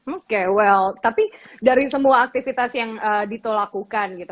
oke well tapi dari semua aktivitas yang dito lakukan gitu